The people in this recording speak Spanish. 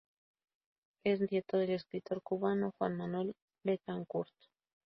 Es nieto del escritor cubano Juan Manuel Betancourt.